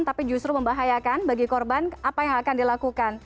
tapi justru membahayakan bagi korban apa yang akan dilakukan